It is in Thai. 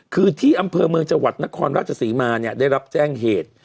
คือที่อำเภอเมืองจังหวัดนครราชศรีมาเนี่ยได้รับแจ้งเหตุ